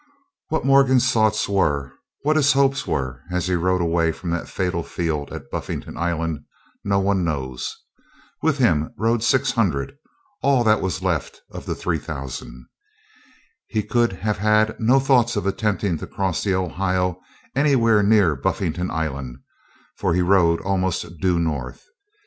What Morgan's thoughts were, what his hopes were, as he rode away from that fatal field at Buffington Island, no one knows. With him rode six hundred, all that were left of three thousand. He could have had no thoughts of attempting to cross the Ohio anywhere near Buffington Island, for he rode almost due north.